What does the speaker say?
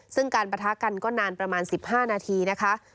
ซึ่งการปะทะกันก็นานประมาณ๑๕นาทีนะคะ